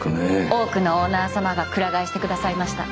多くのオーナー様がくら替えしてくださいました。